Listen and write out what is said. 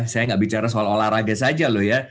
saya nggak bicara soal olahraga saja loh ya